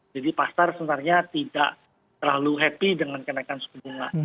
jadi pasar sebenarnya tidak terlalu happy dengan kenaikan suku bunga